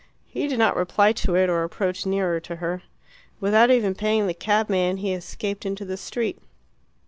He did not reply to it or approach nearer to her. Without even paying the cabman, he escaped into the street.